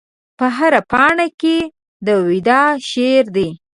په هره پاڼه کې د وداع شعر دی